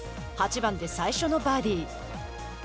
８番で最初のバーディー。